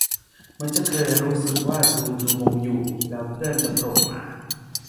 เหมือนจะเคยรู้สึกว่าดูจูมงอยู่ แล้วเพื่อนจะโผล่มา